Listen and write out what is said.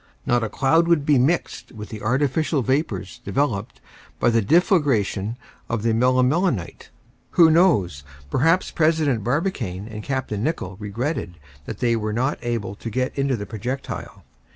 Not a cloud would be mixed with the artificial vapors developed by the deflagration of the melimelonite. Who knows, perhaps President Barbicane and Capt. Nicholl regretted that they were not able to get into the projectile.